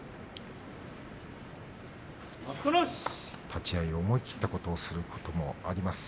立ち合い、思い切ったことをすることもあります